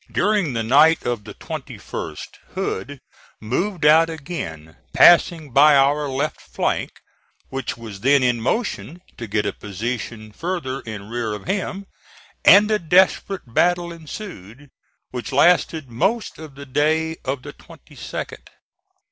During the night of the 21st Hood moved out again, passing by our left flank, which was then in motion to get a position farther in rear of him, and a desperate battle ensued, which lasted most of the day of the 22d.